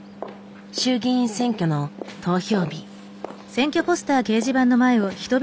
衆議院選挙の投票日。